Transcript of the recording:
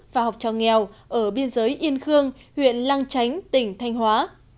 và học trò nghèo ở biên giới yên khương huyện lang chánh tỉnh thanh hóa